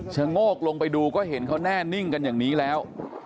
โงกลงไปดูก็เห็นเขาแน่นิ่งกันอย่างนี้แล้ว